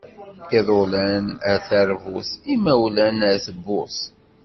Iḍulan ar teṛbut imawlan ar tebburt.